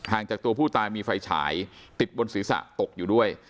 จากตัวผู้ตายมีไฟฉายติดบนศีรษะตกอยู่ด้วย